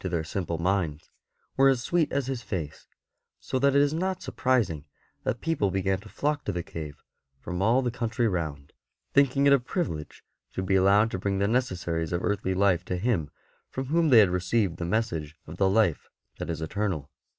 BENEDICT 37 their simple minds, were as sweet as his face, so that it is not surprising that people began to flock to the cave from all the country round, thinking it a privilege to be allowed to bring the necessaries of earthly life to him from whom they had received the message of the life that is eternal.